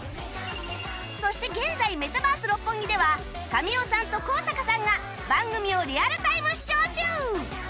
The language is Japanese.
そして現在メタバース六本木では神尾さんと高坂さんが番組をリアルタイム視聴中！